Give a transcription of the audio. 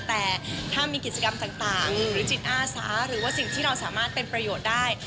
แต่ถ้ามีกิจกรรมต่างหรือจิตอาสาหรือว่าสิ่งที่เราสามารถเป็นประโยชน์ได้